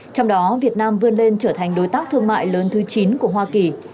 trong đó việt nam vươn lên trở thành đối tác thương mại lớn thứ chín của hoa kỳ